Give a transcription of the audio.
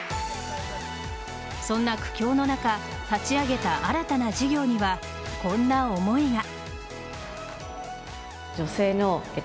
そんな苦境の中立ち上げた新たな事業にはこんな思いが。